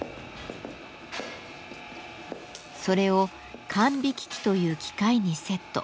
それを管引機という機械にセット。